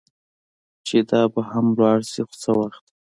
چې دا به هم ولاړه شي، خو څه وخت.